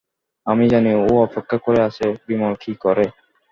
আমি জানি, ও অপেক্ষা করে আছে বিমল কী করে।